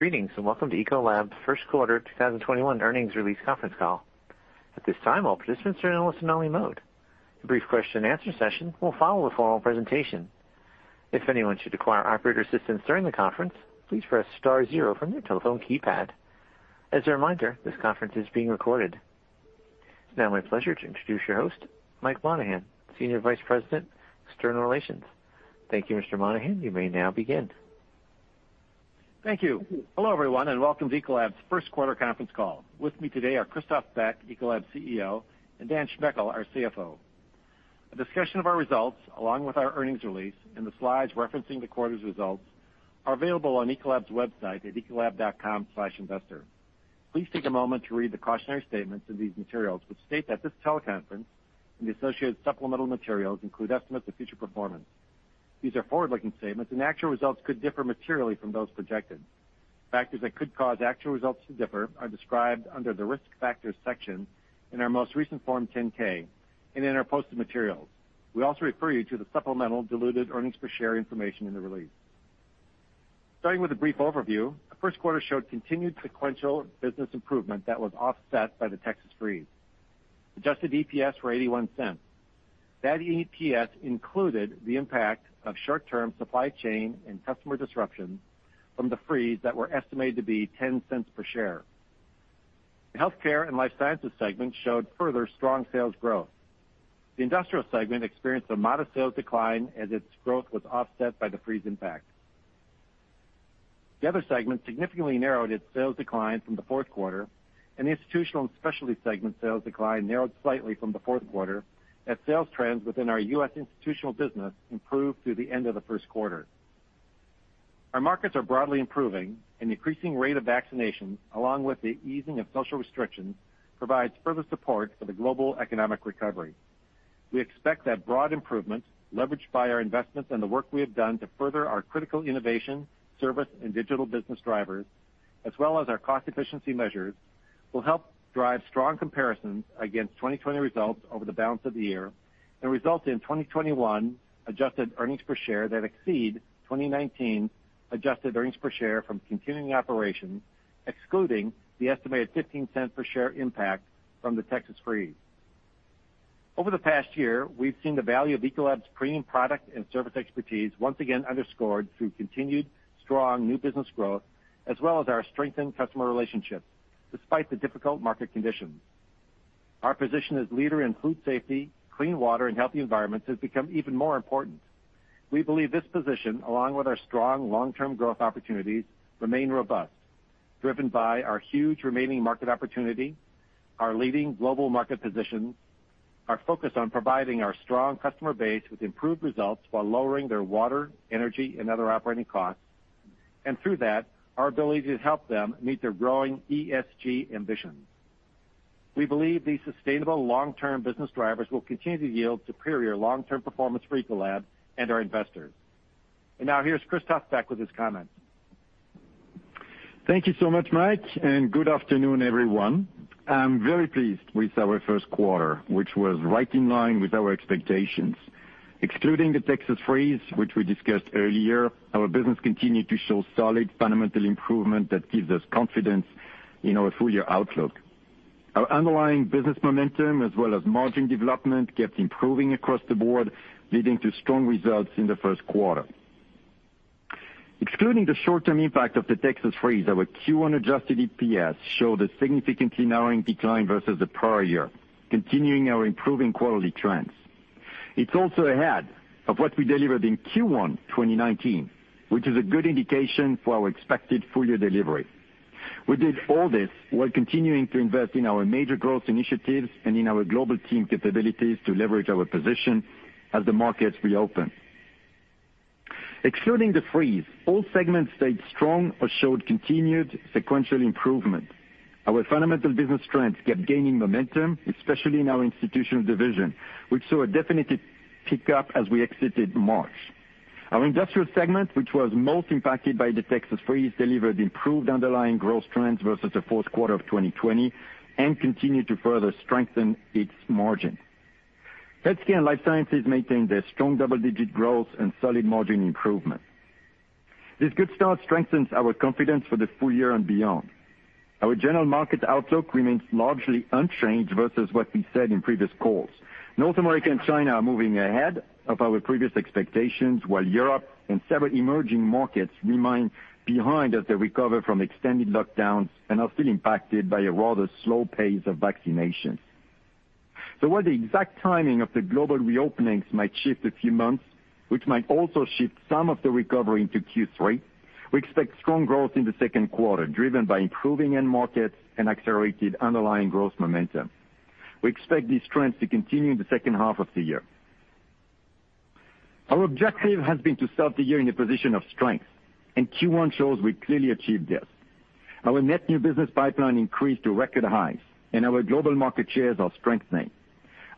Greetings, and welcome to Ecolab's First Quarter 2021 Earnings Release Conference Call. At this time, all participants are in listen-only mode. A brief question-and-answer session will follow the formal presentation. If anyone should require operator assistance during the conference, please press star zero from your telephone keypad. As a reminder, this conference is being recorded. It's now my pleasure to introduce your host, Mike Monahan, Senior Vice President, External Relations. Thank you, Mr. Monahan. You may now begin. Thank you. Hello, everyone, welcome to Ecolab's first quarter conference call. With me today are Christophe Beck, Ecolab's CEO, and Dan Schmechel, our CFO. A discussion of our results, along with our earnings release and the slides referencing the quarter's results, are available on Ecolab's website at ecolab.com/investor. Please take a moment to read the cautionary statements in these materials, which state that this teleconference and the associated supplemental materials include estimates of future performance. These are forward-looking statements, actual results could differ materially from those projected. Factors that could cause actual results to differ are described under the Risk Factors section in our most recent Form 10-K and in our posted materials. We also refer you to the supplemental diluted earnings per share information in the release. Starting with a brief overview, the first quarter showed continued sequential business improvement that was offset by the Texas freeze. Adjusted EPS were $0.81. That EPS included the impact of short-term supply chain and customer disruptions from the freeze that were estimated to be $0.10 per share. The Healthcare & Life Sciences segment showed further strong sales growth. The Industrial segment experienced a modest sales decline as its growth was offset by the freeze impact. The Other segment significantly narrowed its sales decline from the fourth quarter. The Institutional & Specialty Segment sales decline narrowed slightly from the fourth quarter as sales trends within our U.S. institutional business improved through the end of the first quarter. Our markets are broadly improving. The increasing rate of vaccination, along with the easing of social restrictions, provides further support for the global economic recovery. We expect that broad improvement, leveraged by our investments and the work we have done to further our critical innovation, service, and digital business drivers, as well as our cost efficiency measures, will help drive strong comparisons against 2020 results over the balance of the year and result in 2021 adjusted earnings per share that exceed 2019 adjusted earnings per share from continuing operations, excluding the estimated $0.15 per share impact from the Texas freeze. Over the past year, we've seen the value of Ecolab's premium product and service expertise once again underscored through continued strong new business growth, as well as our strengthened customer relationships, despite the difficult market conditions. Our position as leader in food safety, clean water, and healthy environments has become even more important. We believe this position, along with our strong long-term growth opportunities, remain robust, driven by our huge remaining market opportunity, our leading global market positions, our focus on providing our strong customer base with improved results while lowering their water, energy, and other operating costs, and through that, our ability to help them meet their growing ESG ambitions. We believe these sustainable long-term business drivers will continue to yield superior long-term performance for Ecolab and our investors. Now, here's Christophe Beck with his comments. Thank you so much, Mike. Good afternoon, everyone. I'm very pleased with our first quarter, which was right in line with our expectations. Excluding the Texas freeze, which we discussed earlier, our business continued to show solid fundamental improvement that gives us confidence in our full-year outlook. Our underlying business momentum, as well as margin development, kept improving across the board, leading to strong results in the first quarter. Excluding the short-term impact of the Texas freeze, our Q1 adjusted EPS showed a significantly narrowing decline versus the prior year, continuing our improving quarterly trends. It's also ahead of what we delivered in Q1 2019, which is a good indication for our expected full-year delivery. We did all this while continuing to invest in our major growth initiatives and in our global team capabilities to leverage our position as the markets reopen. Excluding the freeze, all segments stayed strong or showed continued sequential improvement. Our fundamental business trends kept gaining momentum, especially in our Institutional division, which saw a definitive pickup as we exited March. Our Industrial segment, which was most impacted by the Texas freeze, delivered improved underlying growth trends versus the fourth quarter of 2020 and continued to further strengthen its margin. Healthcare & Life Sciences maintained their strong double-digit growth and solid margin improvement. This good start strengthens our confidence for the full year and beyond. Our general market outlook remains largely unchanged versus what we said in previous calls. North America and China are moving ahead of our previous expectations, while Europe and several emerging markets remain behind as they recover from extended lockdowns and are still impacted by a rather slow pace of vaccinations. While the exact timing of the global reopenings might shift a few months, which might also shift some of the recovery into Q3, we expect strong growth in the second quarter, driven by improving end markets and accelerated underlying growth momentum. We expect these trends to continue in the second half of the year. Our objective has been to start the year in a position of strength, and Q1 shows we clearly achieved this. Our net new business pipeline increased to record highs, and our global market shares are strengthening.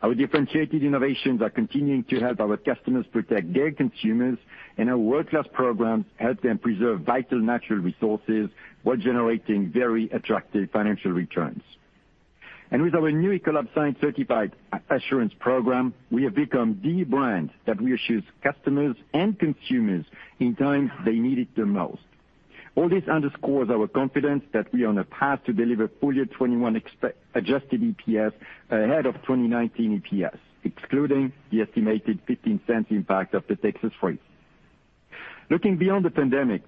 Our differentiated innovations are continuing to help our customers protect their consumers, and our world-class programs help them preserve vital natural resources while generating very attractive financial returns. With our new Ecolab Science Certified assurance program, we have become the brand that reassures customers and consumers in times they need it the most. All this underscores our confidence that we are on a path to deliver full year 2021 adjusted EPS ahead of 2019 EPS, excluding the estimated $0.15 impact of the Texas freeze. Looking beyond the pandemic,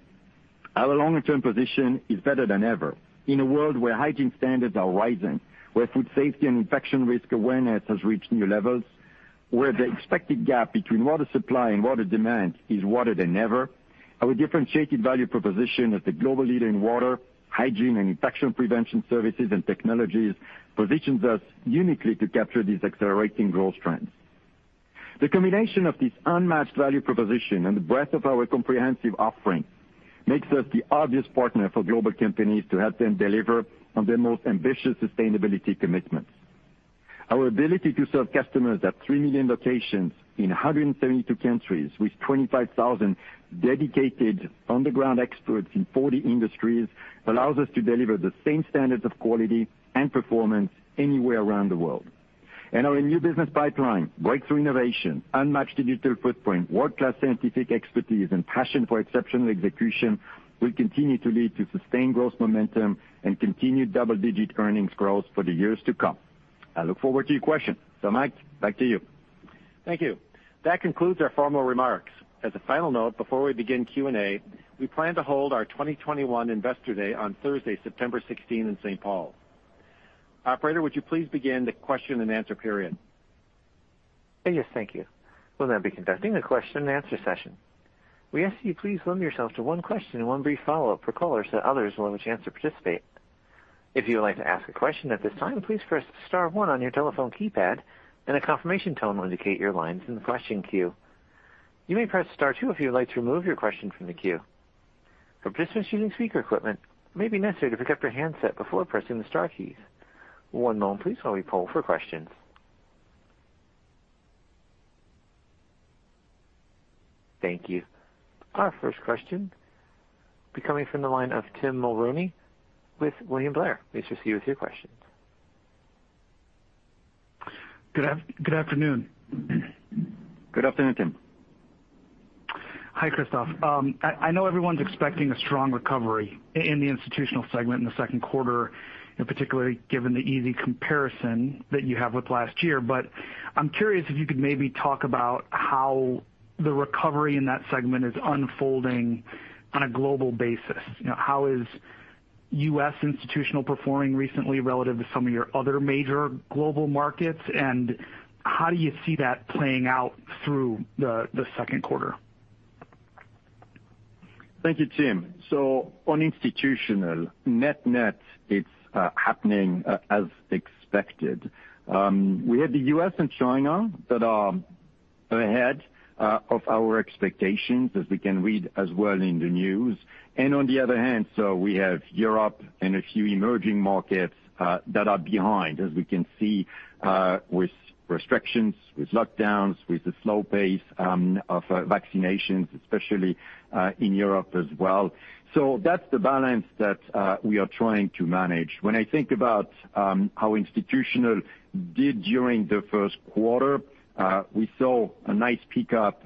our longer-term position is better than ever. In a world where hygiene standards are rising, where food safety and infection risk awareness has reached new levels, where the expected gap between water supply and water demand is wider than ever, our differentiated value proposition as the global leader in water, hygiene, and infection prevention services and technologies positions us uniquely to capture these accelerating growth trends. The combination of this unmatched value proposition and the breadth of our comprehensive offerings makes us the obvious partner for global companies to help them deliver on their most ambitious sustainability commitments. Our ability to serve customers at 3 million locations in 172 countries, with 25,000 dedicated on-the-ground experts in 40 industries, allows us to deliver the same standards of quality and performance anywhere around the world. Our new business pipeline, breakthrough innovation, unmatched digital footprint, world-class scientific expertise, and passion for exceptional execution will continue to lead to sustained growth momentum and continued double-digit earnings growth for the years to come. I look forward to your questions. Mike, back to you. Thank you. That concludes our formal remarks. As a final note, before we begin Q&A, we plan to hold our 2021 Investor Day on Thursday, September 16 in St. Paul. Operator, would you please begin the question-and-answer period? Yes, thank you. We'll now be conducting a question-and-answer session. We ask that you please limit yourself to one question and one brief follow-up for callers so others will have a chance to participate. If you would like to ask a question at this time please press star one on your telephone keypad. A confirmation tone will indicate your line is in the question queue. You may press star two if you would like to remove your question from the queue. Participants using speaker equipment it may be necessary to pick up your handset before pressing the star keys. One moment, please, while we poll for questions. Thank you. Our first question will be coming from the line of Tim Mulrooney with William Blair. Please proceed with your question. Good afternoon. Good afternoon, Tim. Hi, Christophe. I know everyone's expecting a strong recovery in the Institutional segment in the second quarter, and particularly given the easy comparison that you have with last year. I'm curious if you could maybe talk about how the recovery in that segment is unfolding on a global basis. How is U.S. institutional performing recently relative to some of your other major global markets, and how do you see that playing out through the second quarter? Thank you, Tim. On Institutional, net-net, it's happening as expected. We have the U.S. and China that are ahead of our expectations, as we can read as well in the news. On the other hand, we have Europe and a few emerging markets that are behind, as we can see, with restrictions, with lockdowns, with the slow pace of vaccinations, especially in Europe as well. That's the balance that we are trying to manage. When I think about how Institutional did during the first quarter, we saw a nice pickup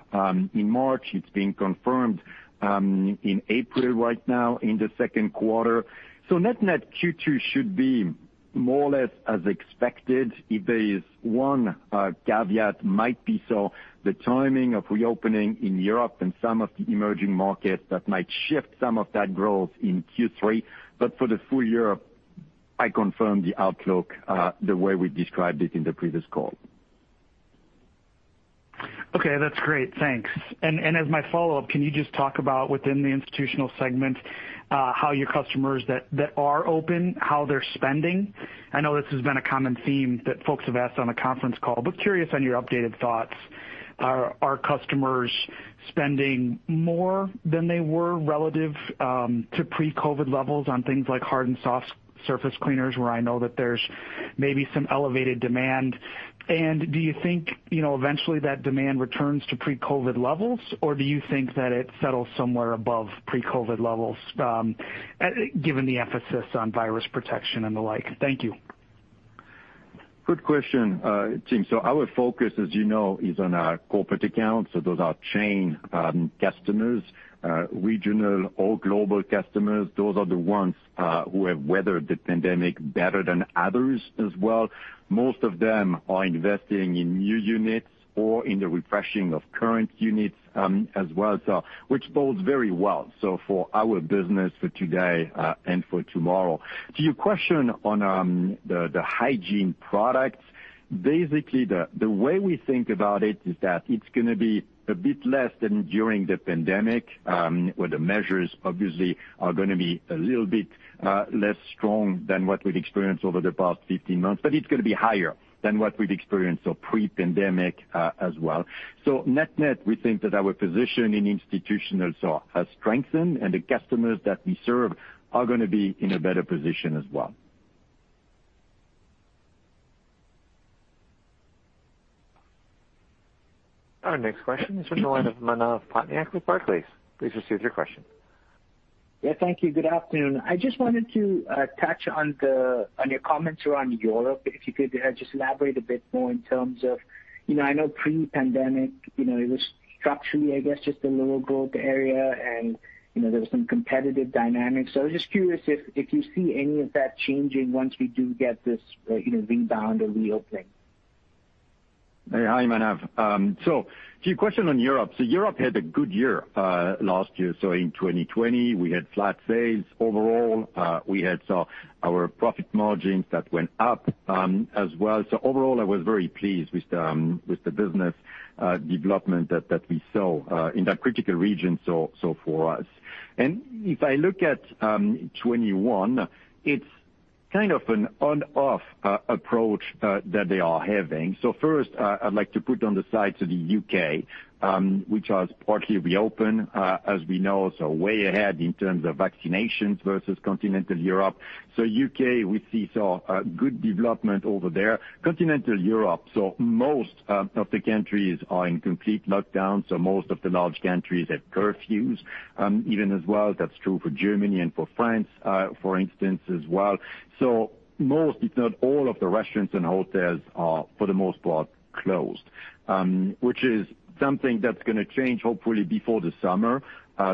in March. It's been confirmed in April right now in the second quarter. Net-net, Q2 should be more or less as expected. If there is one caveat might be the timing of reopening in Europe and some of the emerging markets that might shift some of that growth in Q3. For the full year, I confirm the outlook the way we described it in the previous call. Okay, that's great. Thanks. As my follow-up, can you just talk about within the Institutional Segment, how your customers that are open, how they're spending? I know this has been a common theme that folks have asked on a conference call, but curious on your updated thoughts. Are customers spending more than they were relative to pre-COVID levels on things like hard and soft surface cleaners, where I know that there's maybe some elevated demand? Do you think eventually that demand returns to pre-COVID levels, or do you think that it settles somewhere above pre-COVID levels, given the emphasis on virus protection and the like? Thank you. Good question, Tim. Our focus, as you know, is on our corporate accounts. Those are chain customers, regional or global customers. Those are the ones who have weathered the pandemic better than others as well. Most of them are investing in new units or in the refreshing of current units as well, which bodes very well. For our business for today and for tomorrow. To your question on the hygiene products, basically, the way we think about it is that it's going to be a bit less than during the pandemic, where the measures obviously are going to be a little bit less strong than what we've experienced over the past 15 months. It's going to be higher than what we've experienced pre-pandemic as well. Net-net, we think that our position in Institutional has strengthened, and the customers that we serve are going to be in a better position as well. Our next question is from the line of Manav Patnaik at Barclays. Please proceed with your question. Yeah. Thank you. Good afternoon. I just wanted to touch on your comments around Europe, if you could just elaborate a bit more in terms of-- I know pre-pandemic, it was structurally, I guess, just a lower growth area and there were some competitive dynamics. I was just curious if you see any of that changing once we do get this rebound or reopening. Hi, Manav. To your question on Europe. Europe had a good year last year. In 2020, we had flat sales overall. We had our profit margins that went up as well. Overall, I was very pleased with the business development that we saw in that critical region for us. If I look at 2021, it's kind of an on-off approach that they are having. First, I'd like to put on the side to the U.K., which has partly reopened, as we know, way ahead in terms of vaccinations versus continental Europe. U.K., we see good development over there. Continental Europe, most of the countries are in complete lockdown. Most of the large countries have curfews, even as well that's true for Germany and for France, for instance, as well. Most, if not all of the restaurants and hotels are, for the most part, closed, which is something that's going to change hopefully before the summer.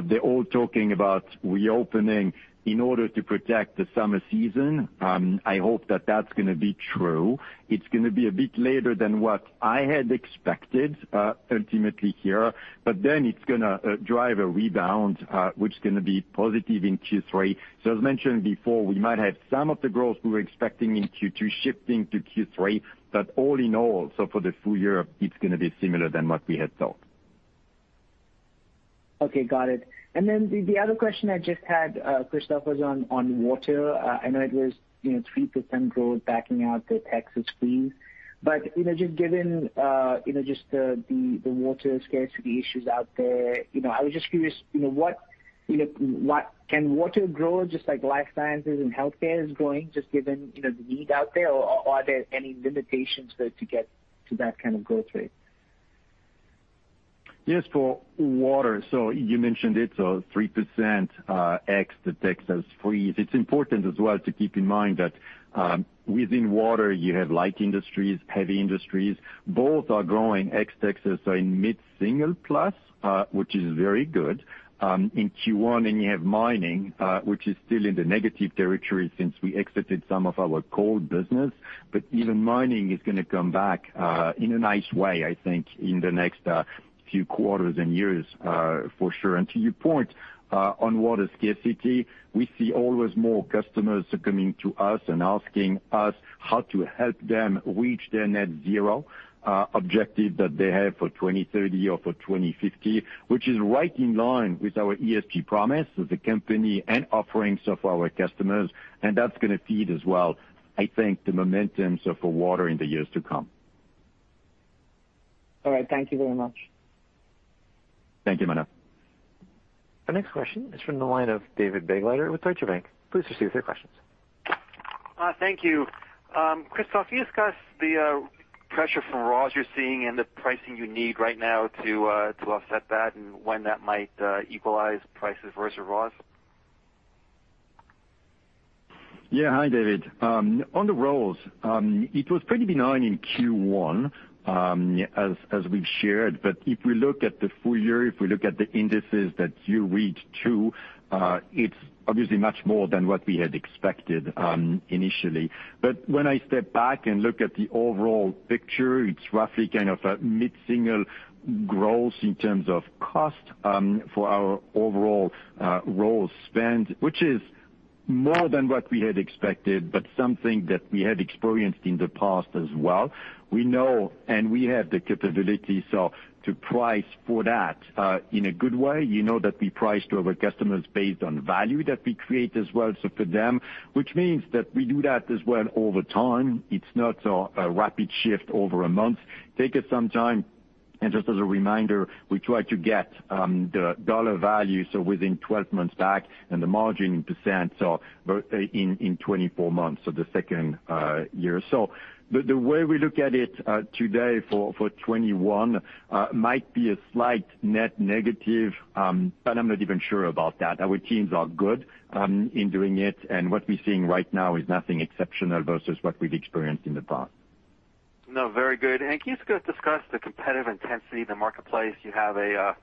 They're all talking about reopening in order to protect the summer season. I hope that that's going to be true. It's going to be a bit later than what I had expected ultimately here, it's going to drive a rebound, which is going to be positive in Q3. As mentioned before, we might have some of the growth we were expecting in Q2 shifting to Q3. All in all, for the full year, it's going to be similar than what we had thought. Okay. Got it. The other question I just had, Christophe, was on water. I know it was 3% growth backing out the Texas freeze. Just given the water scarcity issues out there, I was just curious, can water grow just like Life Sciences and Healthcare is growing, just given the need out there, or are there any limitations there to get to that kind of growth rate? Yes. For water, you mentioned it, 3% ex the Texas freeze. It's important as well to keep in mind that within water you have light industries, heavy industries, both are growing ex Texas are in mid-single plus, which is very good in Q1. You have mining, which is still in the negative territory since we exited some of our coal business. Even mining is going to come back in a nice way, I think, in the next few quarters and years for sure. To your point on water scarcity, we see always more customers coming to us and asking us how to help them reach their net zero objective that they have for 2030 or for 2050, which is right in line with our ESG promise as a company and offerings of our customers. That's going to feed as well, I think the momentum for water in the years to come. All right. Thank you very much. Thank you, Manav. The next question is from the line of David Begleiter with Deutsche Bank. Please proceed with your questions. Thank you. Christophe, can you discuss the pressure from raws you're seeing and the pricing you need right now to offset that and when that might equalize prices versus raws? Yeah. Hi, David. On the raws, it was pretty benign in Q1, as we've shared. If we look at the full year, if we look at the indices that you read too, it's obviously much more than what we had expected initially. When I step back and look at the overall picture, it's roughly kind of a mid-single growth in terms of cost for our overall raws spend, which is more than what we had expected, but something that we had experienced in the past as well. We know and we have the capability to price for that in a good way. You know that we price to our customers based on value that we create as well, so for them. Which means that we do that as well over time. It's not a rapid shift over a month. Take us some time. Just as a reminder, we try to get the dollar value, so within 12 months back and the margin in percent, so in 24 months, so the second year. The way we look at it today for 2021 might be a slight net negative, but I'm not even sure about that. Our teams are good in doing it, and what we're seeing right now is nothing exceptional versus what we've experienced in the past. No, very good. Can you discuss the competitive intensity in the marketplace? One of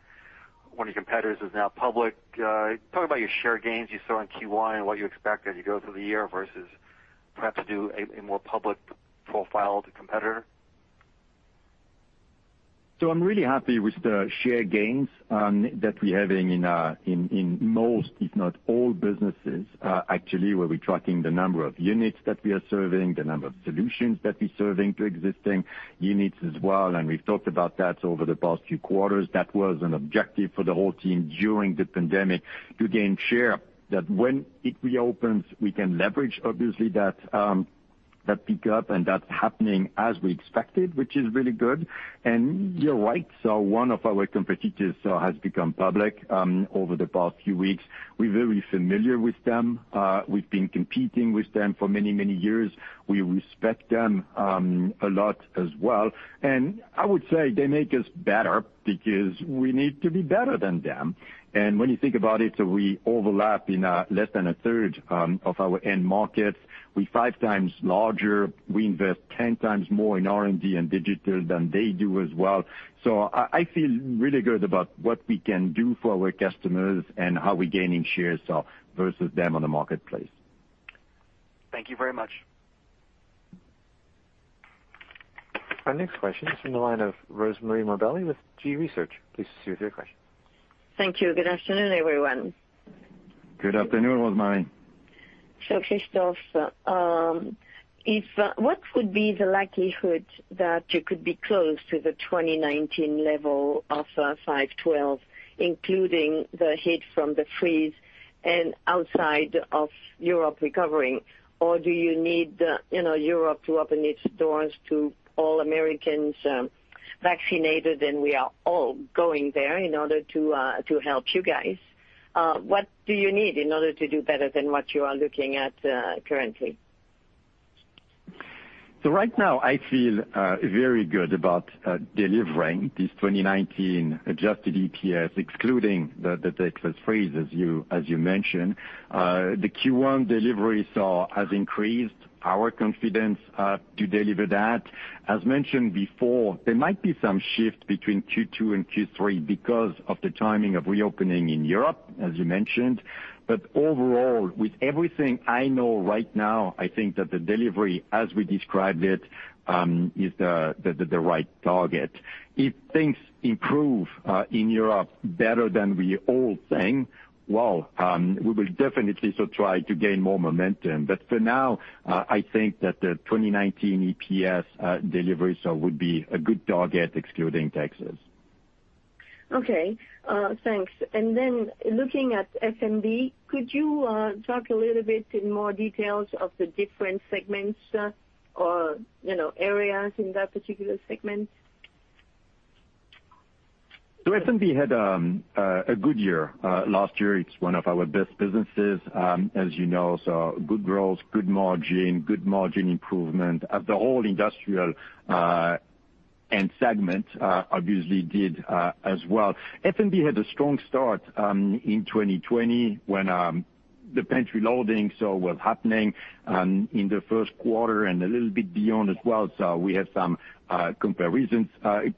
your competitors is now public. Talk about your share gains you saw in Q1 and what you expect as you go through the year versus perhaps do a more public profiled competitor. I'm really happy with the share gains that we're having in most, if not all, businesses. Actually, where we're tracking the number of units that we are serving, the number of solutions that we serving to existing units as well, and we've talked about that over the past few quarters. That was an objective for the whole team during the pandemic to gain share, that when it reopens, we can leverage obviously that pick up and that's happening as we expected, which is really good. You're right, one of our competitors has become public over the past few weeks. We're very familiar with them. We've been competing with them for many, many years. We respect them a lot as well. I would say they make us better because we need to be better than them. When you think about it, we overlap in a less than a 1/3 of our end markets. We're 5x larger. We invest 10x more in R&D and digital than they do as well. I feel really good about what we can do for our customers and how we're gaining shares versus them on the marketplace. Thank you very much. Our next question is from the line of Rosemarie Morbelli with G.research. Please proceed with your question. Thank you. Good afternoon, everyone. Good afternoon, Rosemarie. Christophe, what would be the likelihood that you could be close to the 2019 level of [$5.12], including the hit from the freeze and outside of Europe recovering? Do you need Europe to open its doors to all Americans vaccinated, and we are all going there in order to help you guys? What do you need in order to do better than what you are looking at currently? Right now, I feel very good about delivering this 2019 adjusted EPS, excluding the Texas freeze, as you mentioned. The Q1 deliveries has increased our confidence to deliver that. As mentioned before, there might be some shift between Q2 and Q3 because of the timing of reopening in Europe, as you mentioned. Overall, with everything I know right now, I think that the delivery, as we described it, is the right target. If things improve in Europe better than we all think, well, we will definitely try to gain more momentum. For now, I think that the 2019 EPS delivery would be a good target, excluding Texas. Okay. Thanks. Looking at F&B, could you talk a little bit in more detail of the different segments or areas in that particular segment? F&B had a good year. Last year, it's one of our best businesses, as you know. Good growth, good margin, good margin improvement of the whole Industrial end segment, obviously did as well. F&B had a strong start in 2020 when the pantry loading was happening in the first quarter and a little bit beyond as well. We had some comparison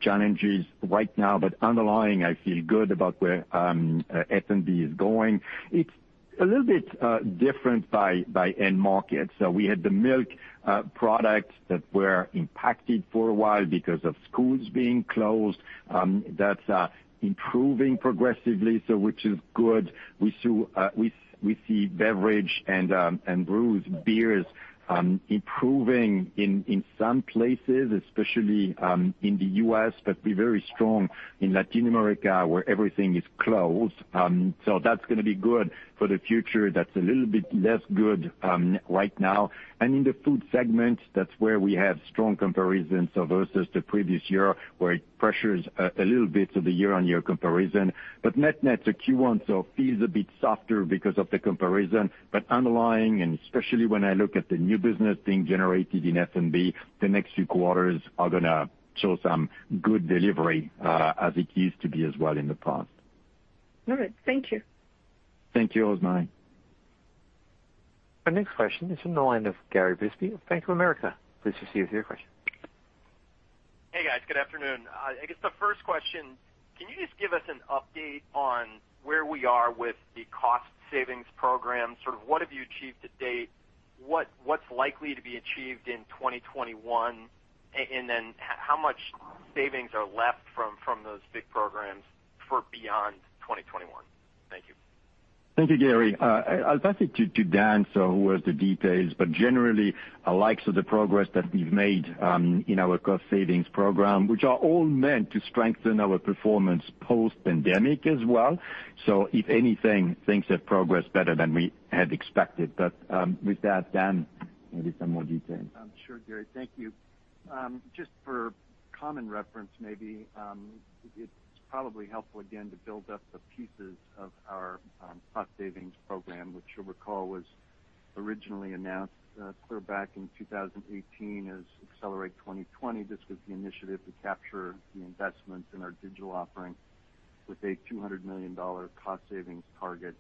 challenges right now, but underlying, I feel good about where F&B is going. It's a little bit different by end market. We had the milk products that were impacted for a while because of schools being closed. That's improving progressively, so which is good. We see beverage and brews, beers improving in some places, especially in the U.S., but we're very strong in Latin America, where everything is closed. That's going to be good for the future. That's a little bit less good right now. In the food segment, that's where we have strong comparisons versus the previous year, where it pressures a little bit of the year-on-year comparison. Net-net, Q1 feels a bit softer because of the comparison. Underlying, and especially when I look at the new business being generated in F&B, the next few quarters are going to show some good delivery as it used to be as well in the past. All right. Thank you. Thank you, Rosemarie. Our next question is from the line of Gary Bisbee of Bank of America. Please proceed with your question. Hey, guys. Good afternoon. I guess the first question, can you just give us an update on where we are with the cost savings program? Sort of what have you achieved to date? What's likely to be achieved in 2021? How much savings are left from those big programs for beyond 2021? Thank you. Thank you, Gary. I'll pass it to Dan, who has the details. Generally, I like the progress that we've made in our cost savings program, which are all meant to strengthen our performance post-pandemic as well. If anything, things have progressed better than we had expected. With that, Dan, maybe some more details. Sure, Gary. Thank you. Just for common reference, maybe, it's probably helpful again to build up the pieces of our cost savings program, which you'll recall was originally announced clear back in 2018 as Accelerate 2020. This was the initiative to capture the investments in our digital offering with a $200 million cost savings target.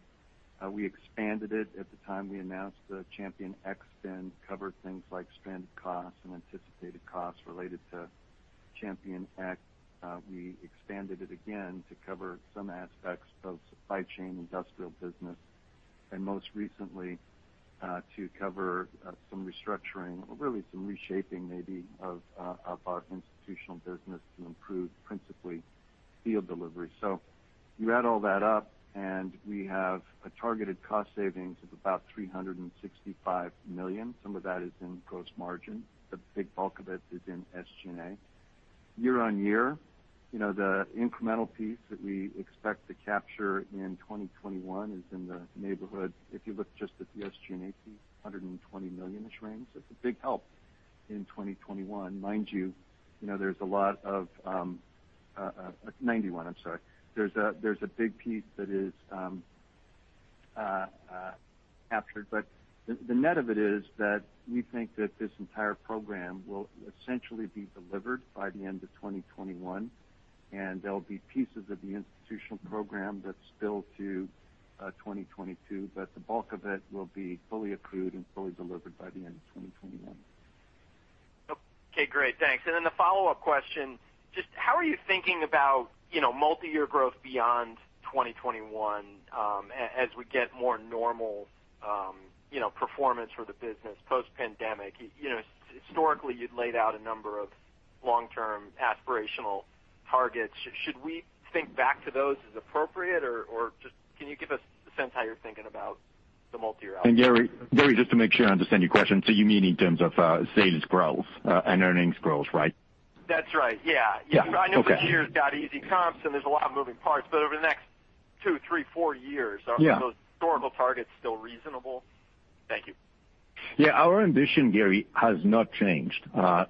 We expanded it at the time we announced ChampionX spin, covered things like stranded costs and anticipated costs related to ChampionX. We expanded it again to cover some aspects of supply chain industrial business. Most recently, to cover some restructuring, really some reshaping maybe of our institutional business to improve principally field delivery. You add all that up and we have a targeted cost savings of about $365 million. Some of that is in gross margin. The big bulk of it is in SG&A. Year-on-year, the incremental piece that we expect to capture in 2021 is in the neighborhood, if you look just at the SG&A piece, $120 million-ish range. It's a big help in 2021. Mind you, there's a lot of, $91 million, I'm sorry. There's a big piece that is captured, but the net of it is that we think that this entire program will essentially be delivered by the end of 2021, and there'll be pieces of the institutional program that spill to 2022, but the bulk of it will be fully accrued and fully delivered by the end of 2021. Okay, great. Thanks. Then the follow-up question, just how are you thinking about multi-year growth beyond 2021, as we get more normal performance for the business post-pandemic? Historically, you'd laid out a number of long-term aspirational targets. Should we think back to those as appropriate, or just can you give us a sense how you're thinking about the multi-year outlook? Gary, just to make sure I understand your question. You mean in terms of sales growth and earnings growth, right? That's right. Yeah. Yeah. Okay. I know this year's got easy comps, and there's a lot of moving parts, but over the next two, three, four years. Yeah. Are those historical targets still reasonable? Thank you. Yeah, our ambition, Gary, has not changed.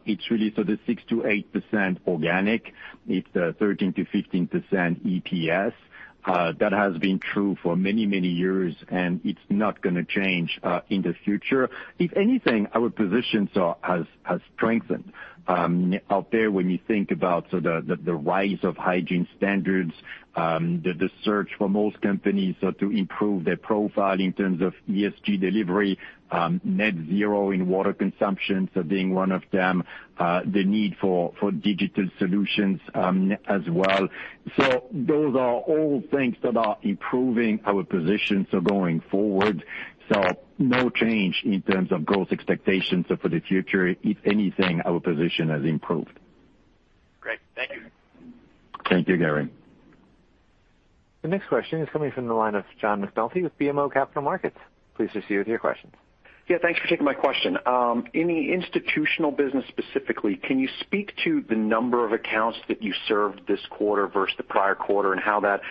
It's really so the 6%-8% organic, it's 13%-15% EPS. That has been true for many, many years, and it's not going to change in the future. If anything, our position has strengthened. Out there, when you think about the rise of hygiene standards, the search for most companies to improve their profile in terms of ESG delivery, net zero in water consumption, so being one of them, the need for digital solutions as well. Those are all things that are improving our position, so going forward. No change in terms of growth expectations for the future. If anything, our position has improved. Great. Thank you. Thank you, Gary. The next question is coming from the line of John McNulty with BMO Capital Markets. Please proceed with your questions. Yeah, thanks for taking my question. In the institutional business specifically, can you speak to the number of accounts that you served this quarter versus the prior quarter, and how that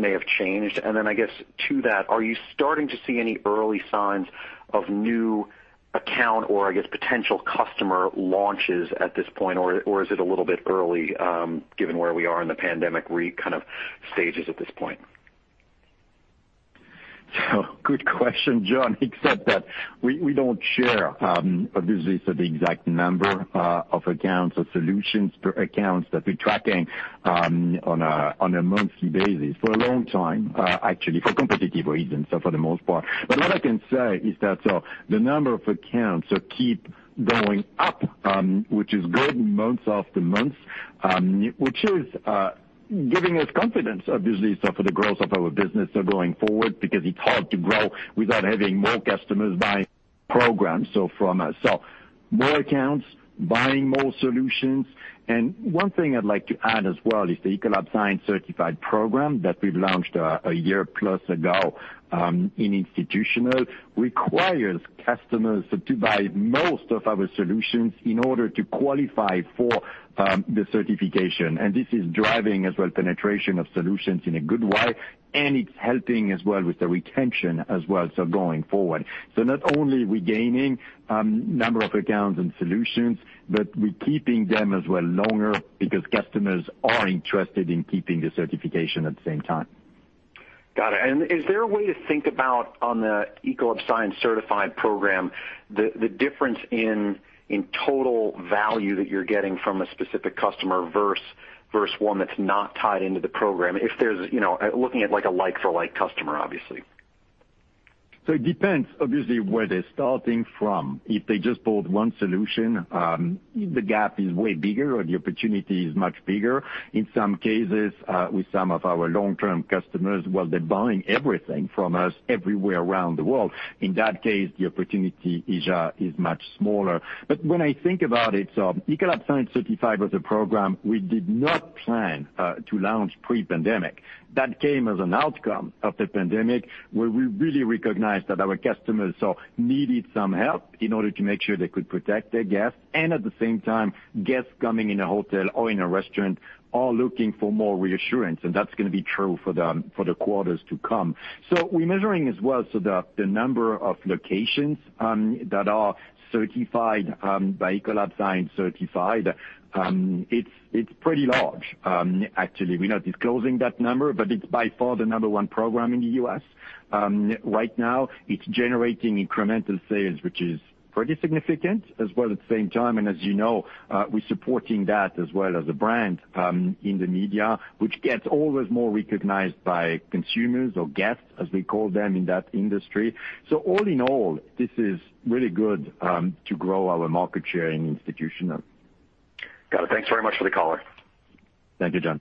may have changed? I guess to that, are you starting to see any early signs of new account, or I guess potential customer launches at this point, or is it a little bit early, given where we are in the pandemic kind of stages at this point? Good question, John. Except that we don't share, obviously, the exact number of accounts or solutions per accounts that we're tracking on a monthly basis for a long time, actually for competitive reasons, for the most part. What I can say is that the number of accounts keep going up, which is good, month-after-month, which is giving us confidence, obviously, for the growth of our business going forward, because it's hard to grow without having more customers buying programs. More accounts, buying more solutions. One thing I'd like to add as well is the Ecolab Science Certified program that we've launched a year plus ago in institutional, requires customers to buy most of our solutions in order to qualify for the certification. This is driving as well penetration of solutions in a good way, and it's helping as well with the retention as well, so going forward. Not only are we gaining number of accounts and solutions, but we're keeping them as well longer because customers are interested in keeping the certification at the same time. Got it. Is there a way to think about, on the Ecolab Science Certified program, the difference in total value that you're getting from a specific customer versus one that's not tied into the program, looking at a like-for-like customer, obviously? It depends, obviously, where they're starting from. If they just bought one solution, the gap is way bigger or the opportunity is much bigger. In some cases, with some of our long-term customers, well, they're buying everything from us everywhere around the world. In that case, the opportunity is much smaller. When I think about it, Ecolab Science Certified was a program we did not plan to launch pre-pandemic. That came as an outcome of the pandemic, where we really recognized that our customers needed some help in order to make sure they could protect their guests. At the same time, guests coming in a hotel or in a restaurant are looking for more reassurance, and that's going to be true for the quarters to come. We're measuring as well, the number of locations that are certified by Ecolab Science Certified, it's pretty large, actually. We're not disclosing that number, but it's by far the number one program in the U.S. Right now, it's generating incremental sales, which is pretty significant as well. At the same time, and as you know, we're supporting that as well as a brand in the media, which gets always more recognized by consumers or guests, as we call them in that industry. All in all, this is really good to grow our market share in Institutional. Got it. Thanks very much for the color. Thank you, John.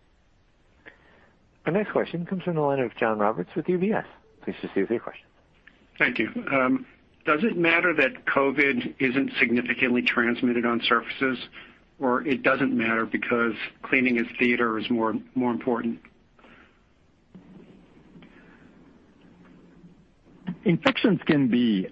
Our next question comes from the line of John Roberts with UBS. Please proceed with your question. Thank you. Does it matter that COVID isn't significantly transmitted on surfaces, or it doesn't matter because cleaning of [theater] is more important? Infections can be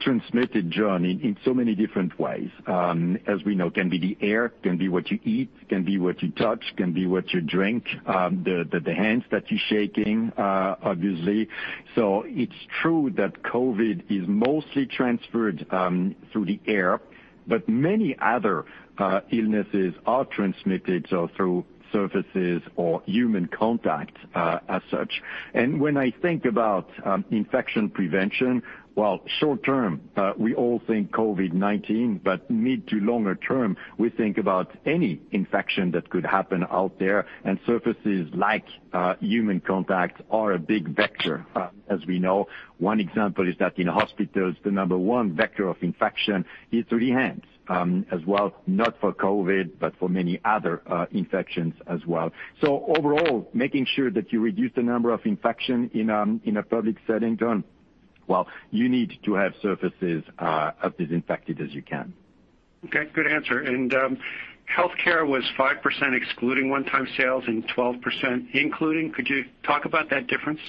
transmitted, John, in so many different ways. As we know, can be the air, can be what you eat, can be what you touch, can be what you drink, the hands that you're shaking, obviously. It's true that COVID is mostly transferred through the air, but many other illnesses are transmitted, so through surfaces or human contact as such. When I think about infection prevention, while short-term, we all think COVID-19, but mid to longer term, we think about any infection that could happen out there, and surfaces, like human contact, are a big vector, as we know. One example is that in hospitals, the number one vector of infection is through the hands as well, not for COVID, but for many other infections as well. Overall, making sure that you reduce the number of infection in a public setting, John, well, you need to have surfaces as disinfected as you can. Okay, good answer. Healthcare was 5%, excluding one-time sales and 12% including. Could you talk about that difference?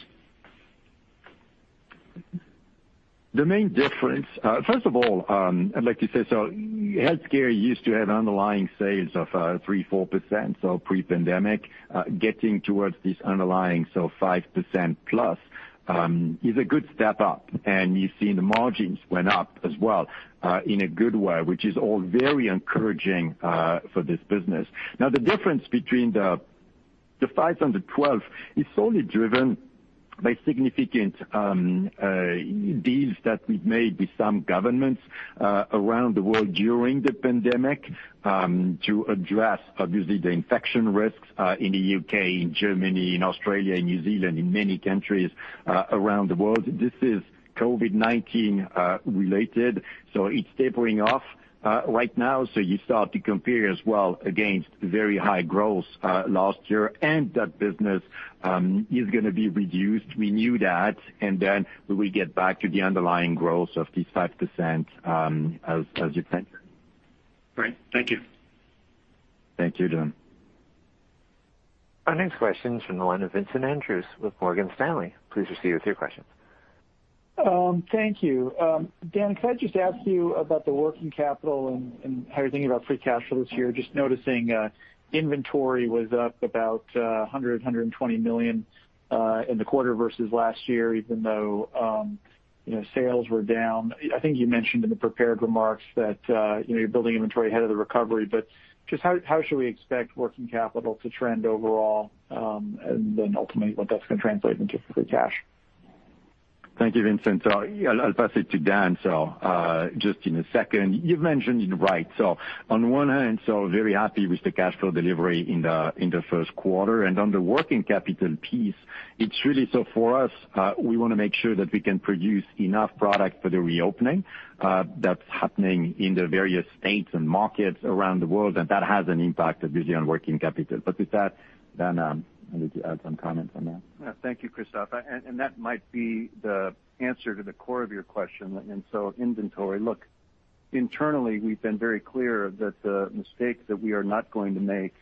First of all, I'd like to say, Healthcare used to have underlying sales of 3%, 4% pre-pandemic. Getting towards this underlying, so 5%+, is a good step up. You've seen the margins went up as well in a good way, which is all very encouraging for this business. Now, the difference between the 5% and the 12% is solely driven by significant deals that we've made with some governments around the world during the pandemic, to address obviously the infection risks in the U.K., in Germany, in Australia, in New Zealand, in many countries around the world. This is COVID-19 related, it's tapering off right now, you start to compare as well against very high growth last year. That business is going to be reduced. We knew that. We get back to the underlying growth of this 5% as you'd said. Great. Thank you. Thank you, John. Our next question is from the line of Vincent Andrews with Morgan Stanley. Please proceed with your questions. Thank you. Dan, could I just ask you about the working capital and how you're thinking about free cash flow this year? Just noticing inventory was up about $100 million-$120 million in the quarter versus last year, even though sales were down. I think you mentioned in the prepared remarks that you're building inventory ahead of the recovery, just how should we expect working capital to trend overall, and then ultimately, what that's going to translate into for free cash? Thank you, Vincent. I'll pass it to Dan, just in a second. You've mentioned it right. On one hand, very happy with the cash flow delivery in the first quarter. On the working capital piece, it's really, for us, we want to make sure that we can produce enough product for the reopening that's happening in the various states and markets around the world, and that has an impact, obviously, on working capital. With that, Dan, I'll let you add some comments on that. Yeah. Thank you, Christophe. That might be the answer to the core of your question. Inventory, look, internally, we've been very clear that the mistake that we are not going to make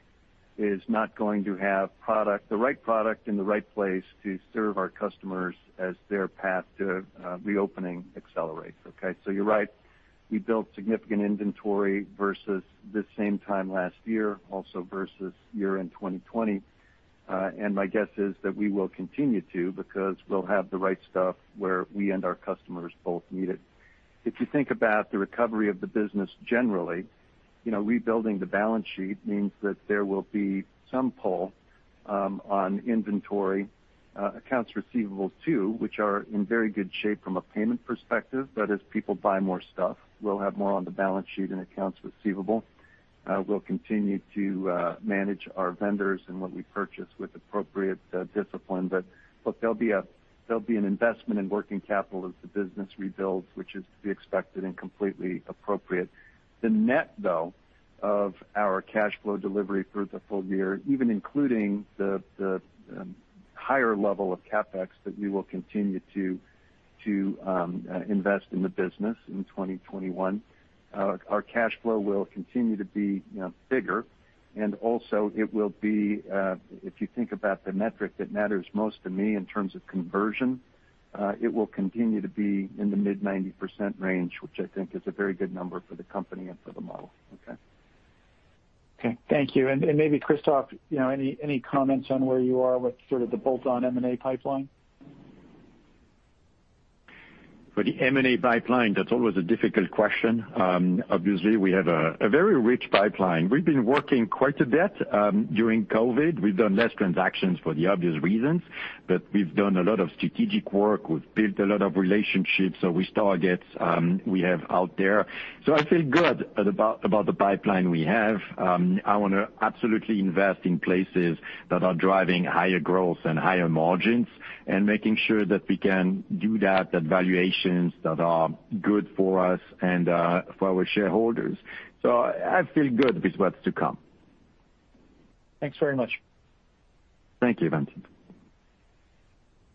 is not going to have the right product in the right place to serve our customers as their path to reopening accelerates. Okay? You're right. We built significant inventory versus this same time last year, also versus year-end 2020. My guess is that we will continue to, because we'll have the right stuff where we and our customers both need it. If you think about the recovery of the business generally, rebuilding the balance sheet means that there will be some pull on inventory. Accounts receivables too, which are in very good shape from a payment perspective. As people buy more stuff, we'll have more on the balance sheet and accounts receivable. We'll continue to manage our vendors and what we purchase with appropriate discipline. Look, there'll be an investment in working capital as the business rebuilds, which is to be expected and completely appropriate. The net, though, of our cash flow delivery through the full year, even including the higher level of CapEx that we will continue to invest in the business in 2021, our cash flow will continue to be bigger. Also, it will be, if you think about the metric that matters most to me in terms of conversion, it will continue to be in the mid-90% range, which I think is a very good number for the company and for the model. Okay. Okay. Thank you. Maybe Christophe, any comments on where you are with sort of the bolt-on M&A pipeline? For the M&A pipeline, that's always a difficult question. Obviously, we have a very rich pipeline. We've been working quite a bit during COVID. We've done less transactions for the obvious reasons, we've done a lot of strategic work. We've built a lot of relationships with targets we have out there. I feel good about the pipeline we have. I want to absolutely invest in places that are driving higher growth and higher margins and making sure that we can do that at valuations that are good for us and for our shareholders. I feel good with what's to come. Thanks very much. Thank you, Vincent.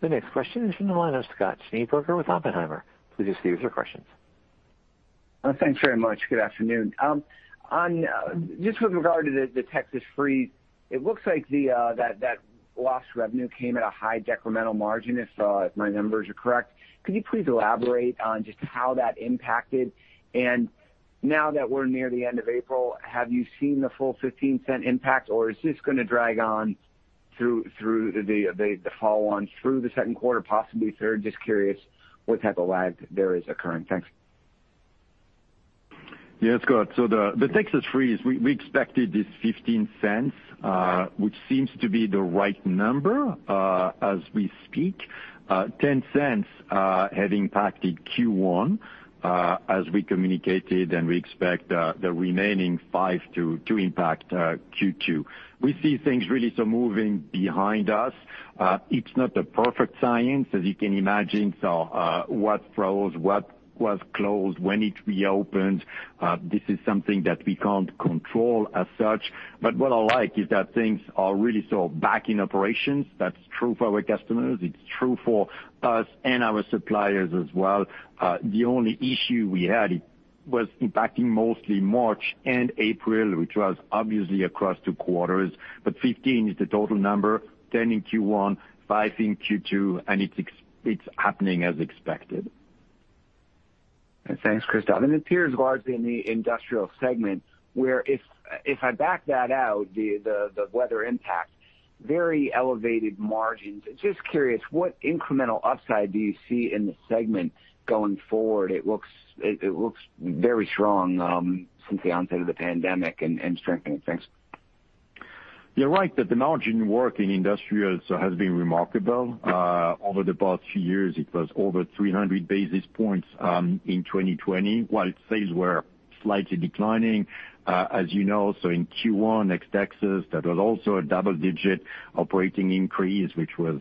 The next question is from the line of Scott Schneeberger with Oppenheimer. Please proceed with your questions. Thanks very much. Good afternoon. Just with regard to the Texas freeze, it looks like that lost revenue came at a high decremental margin, if my numbers are correct. Could you please elaborate on just how that impacted? Now that we're near the end of April, have you seen the full $0.15 impact, or is this going to drag on through the follow-on through the second quarter, possibly third? Just curious what type of lag there is occurring. Thanks. Yes, Scott. The Texas freeze, we expected this $0.15, which seems to be the right number as we speak. $0.10 had impacted Q1, as we communicated, and we expect the remaining $0.05 to impact Q2. We see things really moving behind us. It's not a perfect science, as you can imagine. What froze, what was closed, when it reopened, this is something that we can't control as such. What I like is that things are really back in operations. That's true for our customers. It's true for us and our suppliers as well. The only issue we had, it was impacting mostly March and April, which was obviously across two quarters, but $0.15 is the total number, $0.10 in Q1, $0.05 in Q2, and it's happening as expected. Thanks, Christophe. It appears largely in the Industrial segment, where if I back that out, the weather impact, very elevated margins. Just curious, what incremental upside do you see in the segment going forward? It looks very strong since the onset of the pandemic and strengthening. Thanks. You're right that the margin work in Industrials has been remarkable. Over the past few years, it was over 300 basis points in 2020, while sales were slightly declining. As you know, in Q1 ex Texas, that was also a double-digit operating increase, which was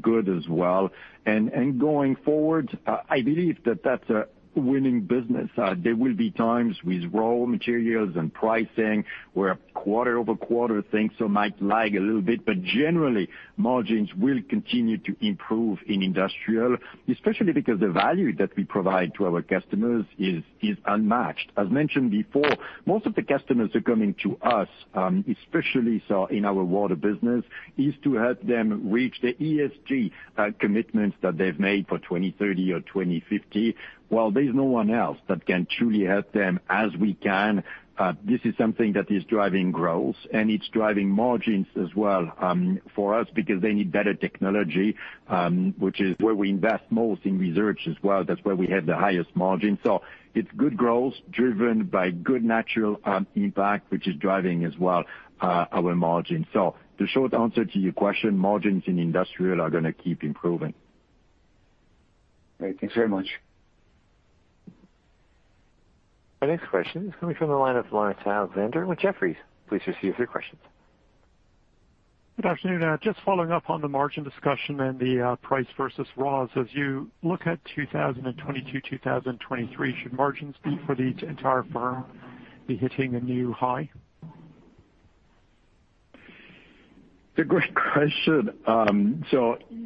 good as well. Going forward, I believe that that's a winning business. There will be times with raw materials and pricing where quarter-over-quarter things might lag a little bit, but generally, margins will continue to improve in industrial, especially because the value that we provide to our customers is unmatched. As mentioned before, most of the customers are coming to us, especially so in our water business, is to help them reach the ESG commitments that they've made for 2030 or 2050. Well, there's no one else that can truly help them as we can. This is something that is driving growth, and it's driving margins as well for us because they need better technology, which is where we invest most in research as well. That's where we have the highest margin. It's good growth driven by good natural impact, which is driving as well our margin. The short answer to your question, margins in industrial are going to keep improving. Great. Thanks very much. Our next question is coming from the line of Laurence Alexander with Jefferies. Please proceed with your questions. Good afternoon. Just following up on the margin discussion and the price versus raws. As you look at 2022, 2023, should margins for the entire firm be hitting a new high? It's a great question.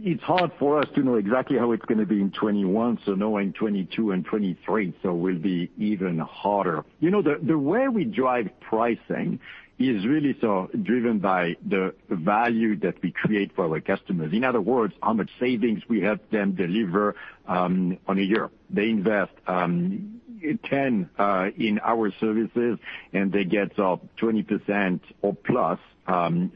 It's hard for us to know exactly how it's going to be in 2021, so knowing 2022 and 2023, so will be even harder. The way we drive pricing is really driven by the value that we create for our customers. In other words, how much savings we help them deliver on a year. They invest 10 in our services, and they get 20% or plus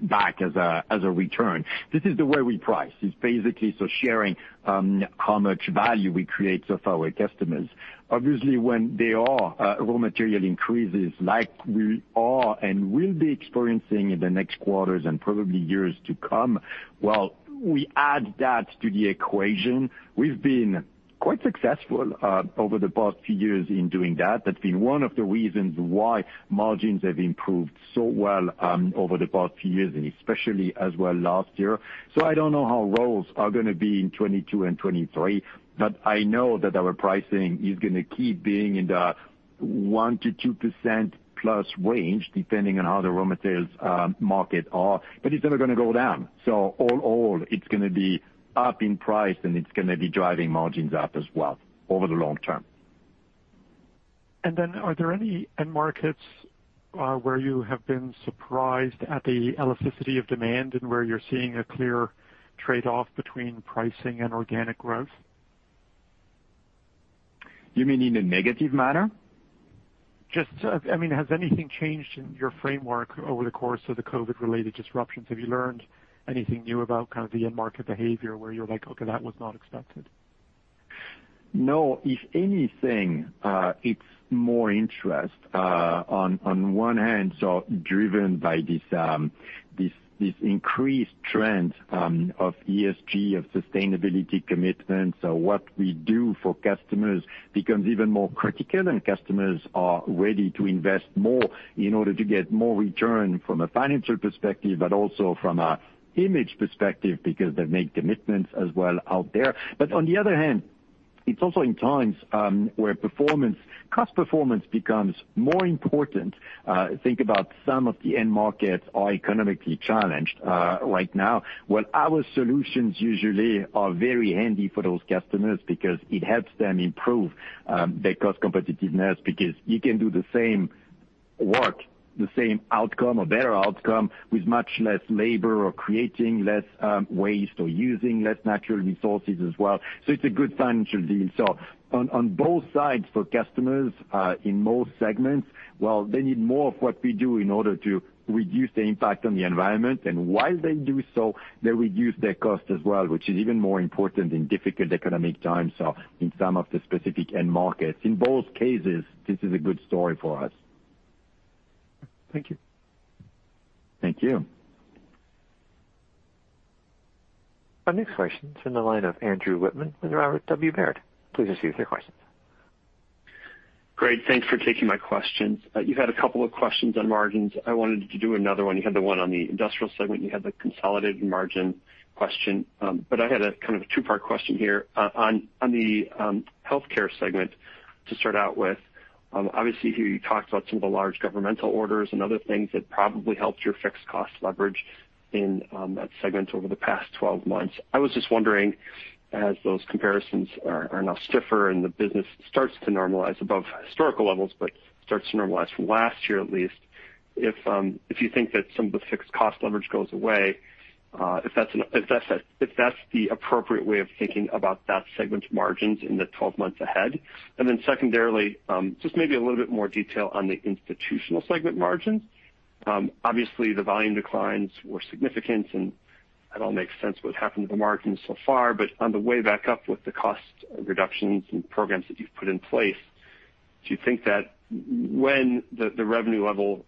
back as a return. This is the way we price. It's basically sharing how much value we create of our customers. Obviously, when there are raw material increases like we are and will be experiencing in the next quarters and probably years to come, well, we add that to the equation. We've been quite successful over the past few years in doing that. That's been one of the reasons why margins have improved so well over the past few years, and especially as well last year. I don't know how raws are going to be in 2022 and 2023, but I know that our pricing is going to keep being in the 1%-2%+ range, depending on how the raw materials market are. It's never going to go down. All it's going to be up in price, and it's going to be driving margins up as well over the long term. Are there any end markets where you have been surprised at the elasticity of demand and where you're seeing a clear trade-off between pricing and organic growth? You mean in a negative manner? Has anything changed in your framework over the course of the COVID-related disruptions? Have you learned anything new about kind of the end market behavior where you're like, "Okay, that was not expected"? No. If anything, it's more interest. On one hand, driven by this increased trend of ESG, of sustainability commitments. What we do for customers becomes even more critical, and customers are ready to invest more in order to get more return from a financial perspective, but also from an image perspective, because they make commitments as well out there. On the other hand, it's also in times where cost performance becomes more important. Think about some of the end markets are economically challenged right now. Our solutions usually are very handy for those customers because it helps them improve their cost competitiveness because you can do the same work, the same outcome or better outcome with much less labor or creating less waste or using less natural resources as well. It's a good financial deal. On both sides for customers, in most segments, well, they need more of what we do in order to reduce the impact on the environment. While they do so, they reduce their cost as well, which is even more important in difficult economic times, so in some of the specific end markets. In both cases, this is a good story for us. Thank you. Thank you. Our next question is on the line of Andrew Wittmann with Robert W. Baird. Please proceed with your question. Great. Thanks for taking my questions. You had a couple of questions on margins. I wanted to do another one. You had the one on the Industrial segment, you had the consolidated margin question. I had a kind of a two-part question here. On the Healthcare segment to start out with, obviously, you talked about some of the large governmental orders and other things that probably helped your fixed cost leverage in that segment over the past 12 months. I was just wondering, as those comparisons are now stiffer and the business starts to normalize above historical levels, but starts to normalize from last year at least, if you think that some of the fixed cost leverage goes away, if that's the appropriate way of thinking about that segment's margins in the 12 months ahead. Secondarily, just maybe a little bit more detail on the Institutional segment margins. Obviously, the volume declines were significant, that all makes sense what happened to the margins so far. On the way back up with the cost reductions and programs that you've put in place, do you think that when the revenue level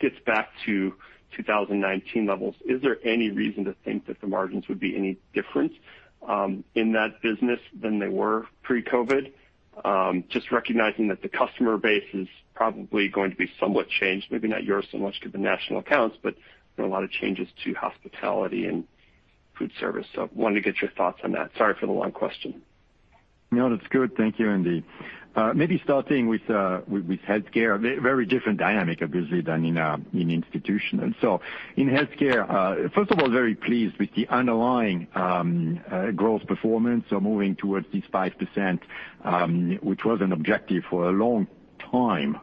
gets back to 2019 levels, is there any reason to think that the margins would be any different in that business than they were pre-COVID? Just recognizing that the customer base is probably going to be somewhat changed, maybe not yours so much given national accounts, there are a lot of changes to hospitality and foodservice. Wanted to get your thoughts on that. Sorry for the long question. No, that's good. Thank you, Andy. Maybe starting with Healthcare. Very different dynamic, obviously, than in Institutional. In Healthcare, first of all, very pleased with the underlying growth performance. Moving towards this 5%, which was an objective for a long time.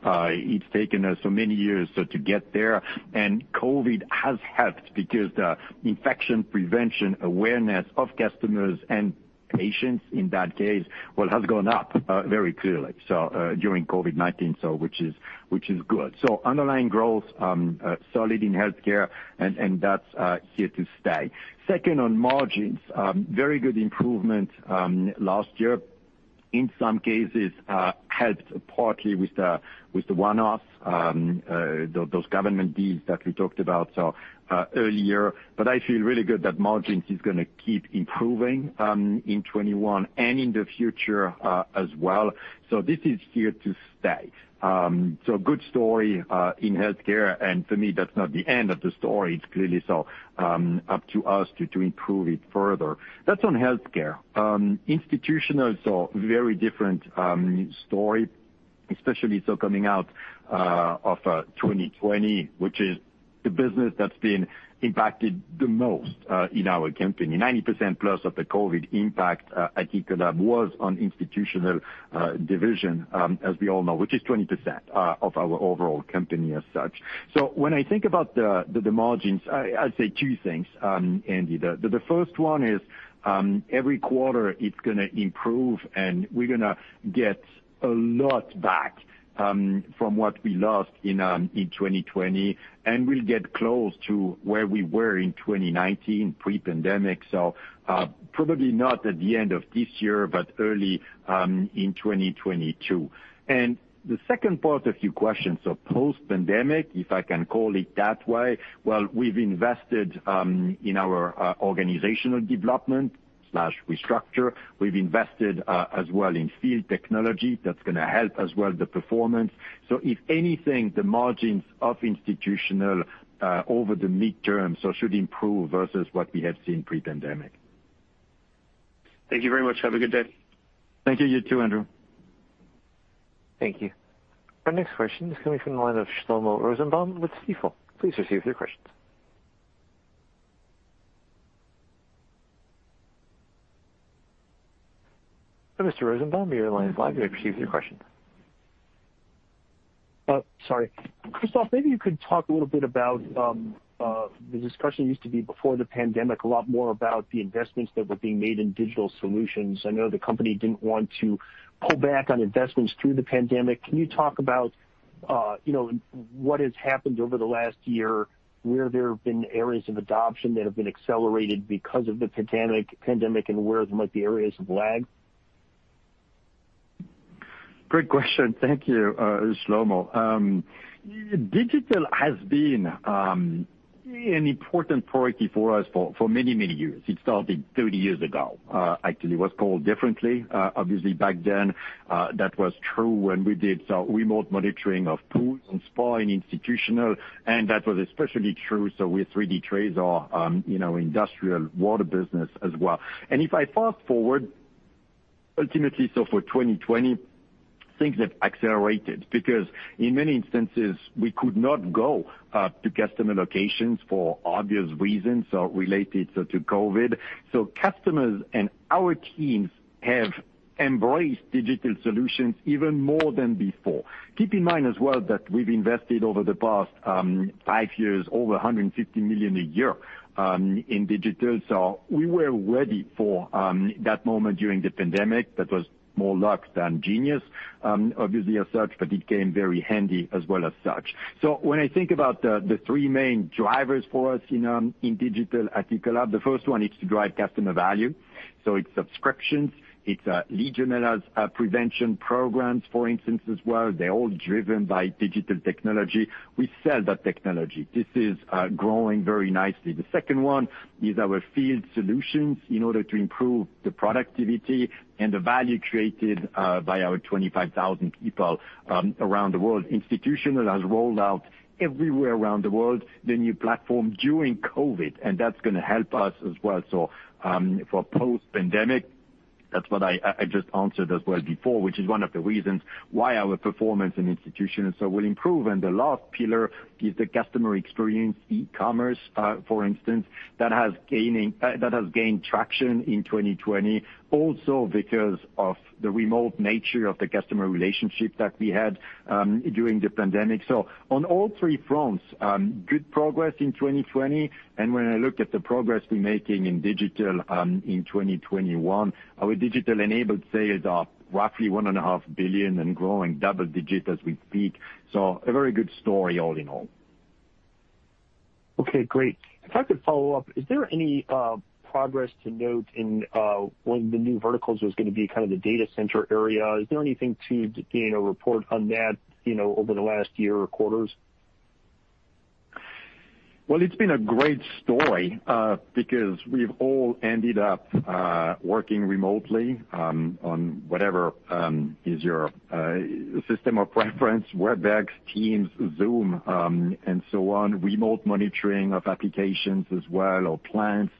It's taken us so many years to get there and COVID-19 has helped because the infection prevention awareness of customers and patients in that case, well, has gone up very clearly. During COVID-19, which is good. Underlying growth, solid in Healthcare and that's here to stay. Second, on margins, very good improvement, last year in some cases, helped partly with the one-off, those government deals that we talked about earlier. I feel really good that margins is going to keep improving, in 2021 and in the future, as well. This is here to stay. Good story, in Healthcare. For me, that's not the end of the story. It's clearly up to us to improve it further. That's on Healthcare. Institutional, very different story especially coming out of 2020, which is the business that's been impacted the most in our company. 90% plus of the COVID impact at Ecolab was on Institutional division, as we all know, which is 20% of our overall company as such. When I think about the margins, I'd say two things, Andy. The first one is every quarter it's going to improve and we're going to get a lot back from what we lost in 2020, and we'll get close to where we were in 2019 pre-pandemic. Probably not at the end of this year, but early in 2022. The second part of your question, so post-pandemic, if I can call it that way, well, we've invested in our organizational development/restructure. We've invested as well in field technology that's going to help as well the performance. If anything, the margins of Institutional over the midterm, so should improve versus what we have seen pre-pandemic. Thank you very much. Have a good day. Thank you. You too, Andrew. Thank you. Our next question is coming from the line of Shlomo Rosenbaum with Stifel. Please proceed with your question. Mr. Rosenbaum, your line is live. Proceed with your question. Sorry. Christophe, maybe you could talk a little bit about the discussion used to be before the pandemic, a lot more about the investments that were being made in digital solutions. I know the company didn't want to pull back on investments through the pandemic. Can you talk about what has happened over the last year, where there have been areas of adoption that have been accelerated because of the pandemic, and where there might be areas of lag? Great question. Thank you, Shlomo. Digital has been an important priority for us for many, many years. It started 30 years ago. Actually, it was called differently. Obviously back then, that was true when we did remote monitoring of pools and spa in Institutional, and that was especially true so with 3D TRASAR, industrial water business as well. If I fast-forward, ultimately, for 2020, things have accelerated because in many instances, we could not go to customer locations for obvious reasons related to COVID. Customers and our teams have embraced digital solutions even more than before. Keep in mind as well that we've invested over the past five years, over $150 million a year in digital. We were ready for that moment during the pandemic. That was more luck than genius, obviously, as such, but it came very handy as well. When I think about the three main drivers for us in digital at Ecolab, the first one is to drive customer value. It's subscriptions, it's Legionella prevention programs, for instance, as well. They're all driven by digital technology. We sell that technology. This is growing very nicely. The second one is our field solutions in order to improve the productivity and the value created by our 25,000 people around the world. Institutional has rolled out everywhere around the world, the new platform during COVID, and that's going to help us as well. For post-pandemic, that's what I just answered as well before, which is one of the reasons why our performance in institutions will improve. The last pillar is the customer experience. E-commerce, for instance, that has gained traction in 2020, also because of the remote nature of the customer relationship that we had during the pandemic. On all three fronts, good progress in 2020. When I look at the progress we're making in digital in 2021, our digital-enabled sales are roughly $1.5 billion and growing double digit as we speak. A very good story all in all. Okay, great. If I could follow up, is there any progress to note in one of the new verticals was going to be kind of the data center area. Is there anything to report on that over the last year or quarters? Well, it's been a great story, because we've all ended up working remotely, on whatever is your system of preference, Webex, Teams, Zoom, and so on, remote monitoring of applications as well, or plants.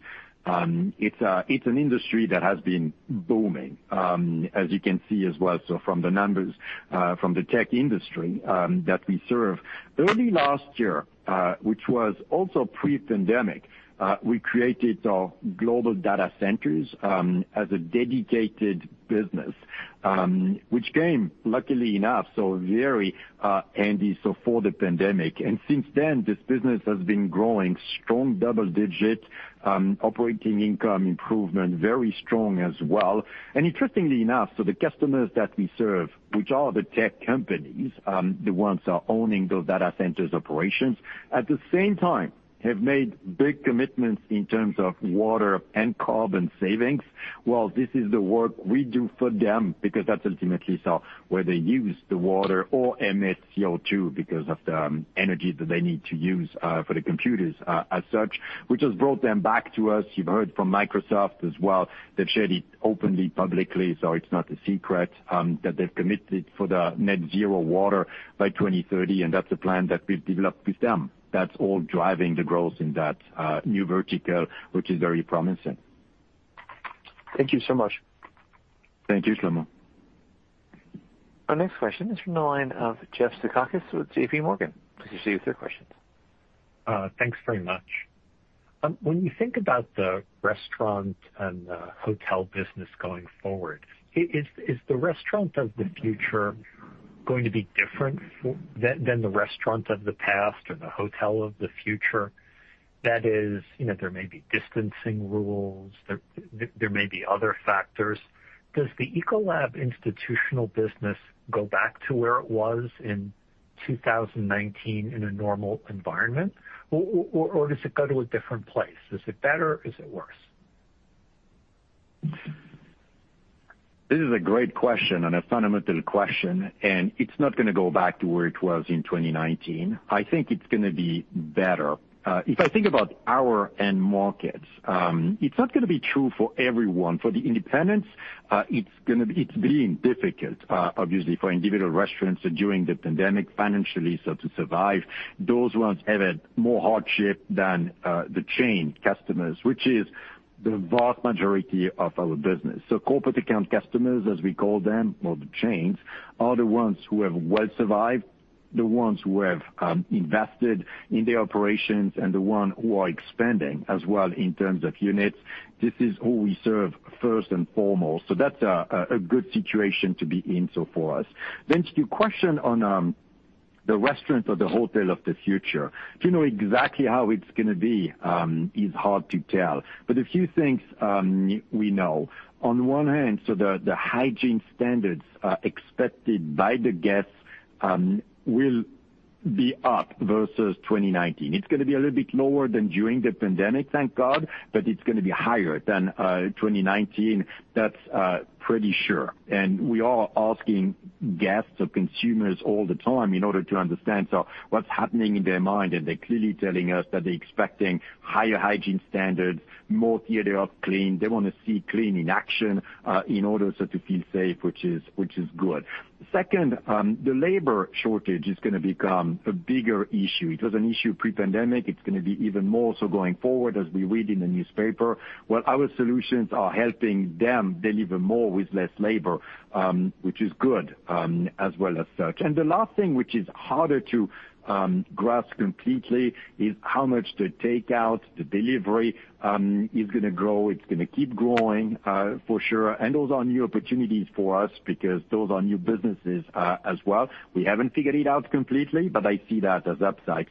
It's an industry that has been booming, as you can see as well. From the numbers from the tech industry that we serve, early last year, which was also pre-pandemic, we created our global data centers as a dedicated business, which came, luckily enough, so very handy for the pandemic. Since then, this business has been growing strong double digit, operating income improvement very strong as well. Interestingly enough, so the customers that we serve, which are the tech companies, the ones owning those data centers operations, at the same time have made big commitments in terms of water and carbon savings. Well, this is the work we do for them because that's ultimately where they use the water or emit CO2 because of the energy that they need to use for the computers as such, which has brought them back to us. You've heard from Microsoft as well. They've shared it openly, publicly, so it's not a secret, that they've committed for the net zero water by 2030, and that's a plan that we've developed with them. That's all driving the growth in that new vertical, which is very promising. Thank you so much. Thank you, Shlomo. Our next question is from the line of Jeff Zekauskas with JPMorgan. Please proceed with your questions. Thanks very much. When you think about the restaurant and hotel business going forward, is the restaurant of the future going to be different than the restaurant of the past or the hotel of the future? That is, there may be distancing rules, there may be other factors. Does the Ecolab institutional business go back to where it was in 2019 in a normal environment? Does it go to a different place? Is it better? Is it worse? This is a great question and a fundamental question. It's not going to go back to where it was in 2019. I think it's going to be better. If I think about our end markets, it's not going to be true for everyone. For the independents, it's been difficult, obviously, for individual restaurants during the pandemic financially, so to survive. Those ones have had more hardship than the chain customers, which is the vast majority of our business. Corporate account customers, as we call them, or the chains, are the ones who have well survived, the ones who have invested in their operations, and the one who are expanding as well in terms of units. This is who we serve first and foremost. That's a good situation to be in for us. To your question on the restaurant or the hotel of the future, to know exactly how it's going to be is hard to tell. A few things we know. On one hand, the hygiene standards expected by the guests will be up versus 2019. It's going to be a little bit lower than during the pandemic, thank God, but it's going to be higher than 2019. That's pretty sure. We are asking guests or consumers all the time in order to understand what's happening in their mind, and they're clearly telling us that they're expecting higher hygiene standards, [more clean]. They want to see clean in action, in order to feel safe, which is good. Second, the labor shortage is going to become a bigger issue. It was an issue pre-pandemic. It's going to be even more so going forward, as we read in the newspaper. Well, our solutions are helping them deliver more with less labor, which is good as well as such. The last thing, which is harder to grasp completely, is how much the takeout, the delivery is going to grow. It's going to keep growing for sure. Those are new opportunities for us because those are new businesses as well. We haven't figured it out completely, but I see that as upside.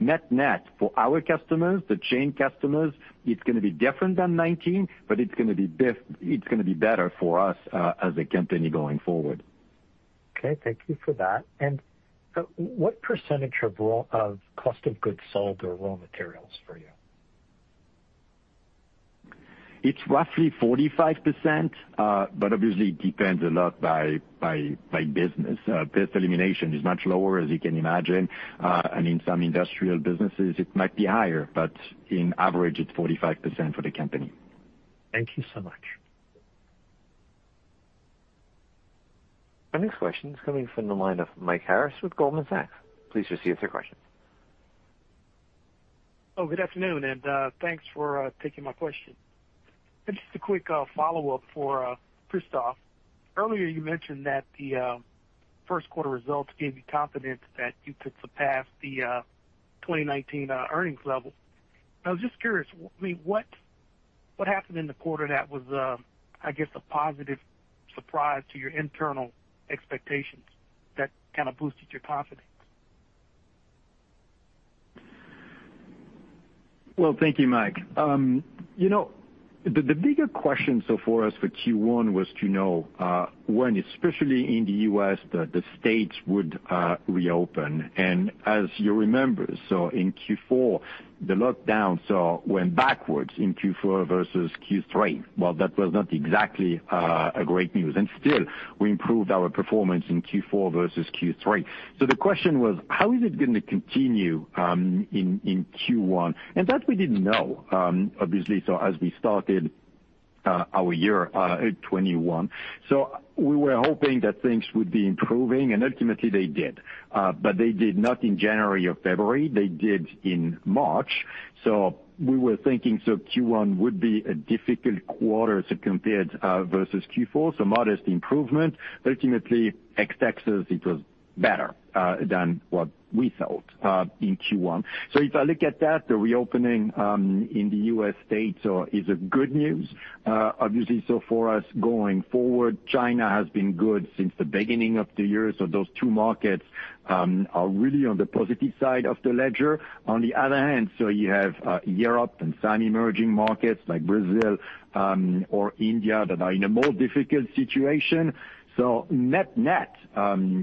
Net-net for our customers, the chain customers, it's going to be different than 2019, but it's going to be better for us as a company going forward. Okay. Thank you for that. What percentage of cost of goods sold are raw materials for you? It's roughly 45%, but obviously it depends a lot by business. Pest elimination is much lower, as you can imagine. In some industrial businesses, it might be higher, but on average, it's 45% for the company. Thank you so much. Our next question is coming from the line of Mike Harris with Goldman Sachs. Please proceed with your question. Oh, good afternoon. Thanks for taking my question. Just a quick follow-up for Christophe. Earlier you mentioned that the first quarter results gave you confidence that you could surpass the 2019 earnings level. I was just curious, what happened in the quarter that was, I guess, a positive surprise to your internal expectations that kind of boosted your confidence? Thank you, Mike. The bigger question so far as for Q1 was to know when, especially in the U.S., that the states would reopen. As you remember, so in Q4, the lockdowns went backwards in Q4 versus Q3. That was not exactly a great news. Still, we improved our performance in Q4 versus Q3. The question was, how is it going to continue in Q1? That we didn't know, obviously, so as we started our year, 2021. We were hoping that things would be improving, and ultimately they did. They did not in January or February, they did in March. We were thinking, so Q1 would be a difficult quarter compared versus Q4, so modest improvement. Ultimately, ex Texas, it was better than what we thought in Q1. If I look at that, the reopening in the U.S. states is a good news. Obviously, for us going forward, China has been good since the beginning of the year. Those two markets are really on the positive side of the ledger. On the other hand, you have Europe and some emerging markets like Brazil or India that are in a more difficult situation. Net-net,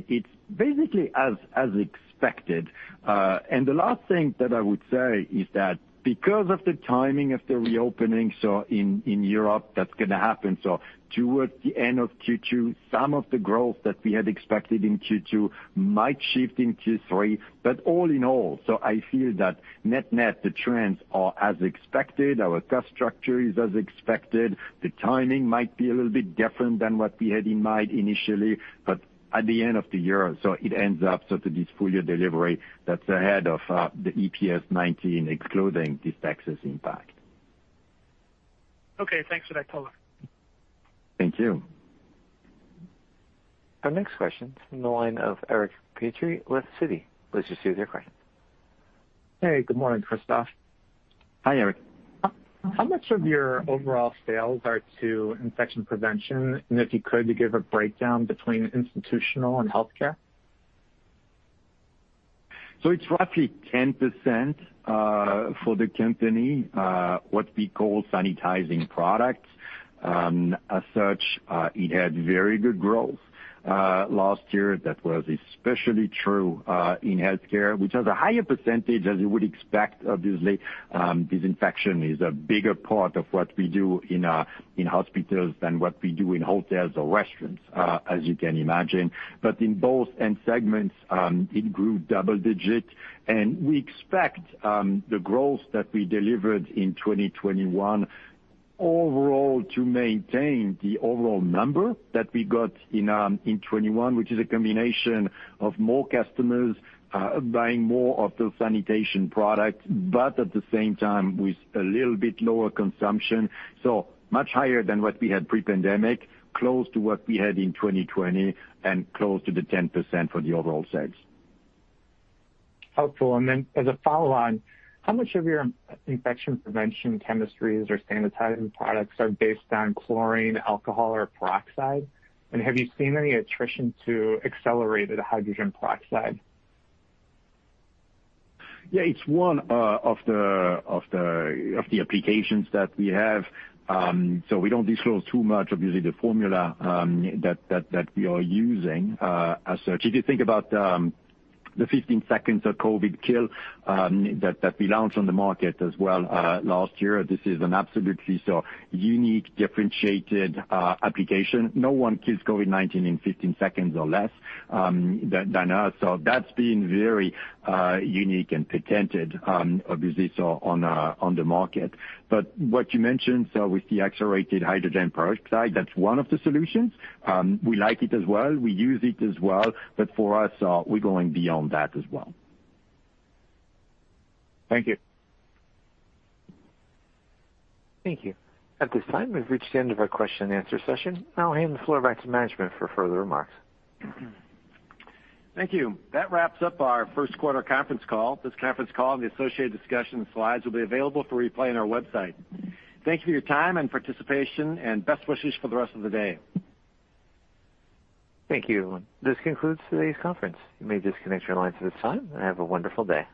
it's basically as expected. The last thing that I would say is that because of the timing of the reopening, in Europe, that's going to happen. Towards the end of Q2, some of the growth that we had expected in Q2 might shift in Q3. All in all, I feel that net-net, the trends are as expected. Our cost structure is as expected. The timing might be a little bit different than what we had in mind initially. At the end of the year, it ends up to this full year delivery that's ahead of the EPS 2019, excluding this Texas impact. Okay, thanks for that color. Thank you. Our next question is from the line of Eric Petrie with Citi. Please proceed with your question. Hey, good morning, Christophe. Hi, Eric. How much of your overall sales are to infection prevention? If you could, to give a breakdown between Institutional and Healthcare. It's roughly 10% for the company, what we call sanitizing products. As such, it had very good growth. Last year, that was especially true in Healthcare, which has a higher percentage, as you would expect, obviously. Disinfection is a bigger part of what we do in hospitals than what we do in hotels or restaurants, as you can imagine. In both end segments, it grew double-digit, and we expect the growth that we delivered in 2021 overall to maintain the overall number that we got in 2021, which is a combination of more customers buying more of those sanitation products, but at the same time with a little bit lower consumption. Much higher than what we had pre-pandemic, close to what we had in 2020, and close to the 10% for the overall sales. Helpful. As a follow-on, how much of your infection prevention chemistries or sanitizing products are based on chlorine, alcohol, or peroxide? Have you seen any attrition to accelerated hydrogen peroxide? Yeah, it's one of the applications that we have. We don't disclose too much, obviously, the formula that we are using as such. If you think about the 15 seconds of COVID kill that we launched on the market as well last year, this is an absolutely so unique, differentiated application. No one kills COVID-19 in 15 seconds or less than us. That's been very unique and patented, obviously, so on the market. What you mentioned, so with the accelerated hydrogen peroxide, that's one of the solutions. We like it as well. We use it as well. For us, we're going beyond that as well. Thank you. Thank you. At this time, we've reached the end of our question-and-answer session. I'll hand the floor back to management for further remarks. Thank you. That wraps up our first quarter conference call. This conference call and the associated discussion and slides will be available for replay on our website. Thank you for your time and participation, and best wishes for the rest of the day. Thank you. This concludes today's conference. You may disconnect your lines at this time, and have a wonderful day.